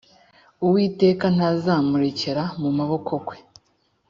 uwiteka ntazamurekera mu kuboko kwe